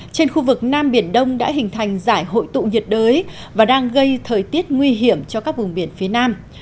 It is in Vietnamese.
trên khu vực nam biển đông đã hình thành giải hội tụ nhiệt đới và đang gây thời tiết nguy hiểm cho các vùng biển phía nam